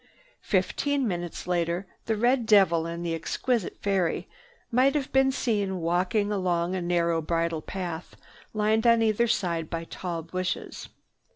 Fifteen minutes later the red devil and the exquisite fairy might have been seen walking along a narrow bridle path, lined on either side by tall bushes.